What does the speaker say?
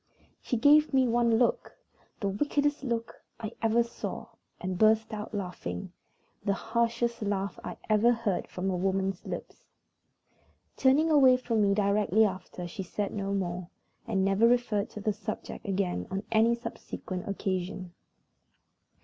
She gave me one look the wickedest look I ever saw, and burst out laughing the harshest laugh I ever heard from a woman's lips. Turning away from me directly after, she said no more, and never referred to the subject again on any subsequent occasion.